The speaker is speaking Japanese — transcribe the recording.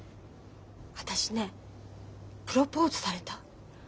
私ねプロポーズされた。